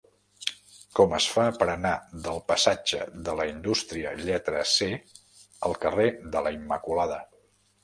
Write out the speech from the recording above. Com es fa per anar del passatge de la Indústria lletra C al carrer de la Immaculada?